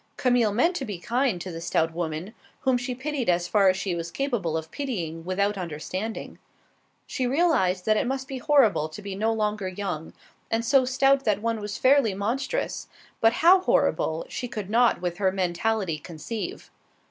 Camille meant to be kind to the stout woman, whom she pitied as far as she was capable of pitying without understanding. She realized that it must be horrible to be no longer young, and so stout that one was fairly monstrous, but how horrible she could not with her mentality conceive.